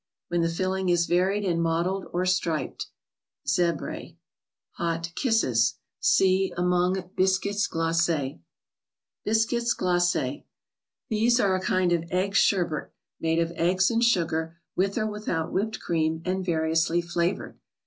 When the filling is varied and mottled, or striped (z£br£). i^ot ftt'ftsess. See among " Biscuits Glaces." These are a kind of egg sherbet, made of eggs and sugar, with or without whipped cream, and variously flavored.